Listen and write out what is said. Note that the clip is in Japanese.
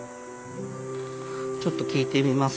ちょっと聞いてみます。